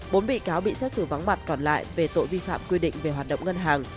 bốn bị cáo bị xét xử vắng mặt còn lại về tội vi phạm quy định về hoạt động ngân hàng